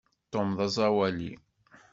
Tom d aẓawali.